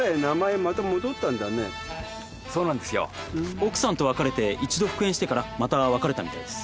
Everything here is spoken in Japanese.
奥さんと別れて一度復縁してからまた別れたみたいです。